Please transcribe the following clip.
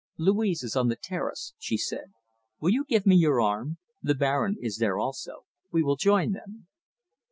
"Louise is on the terrace," she said. "Will you give me your arm? The Baron is there also. We will join them."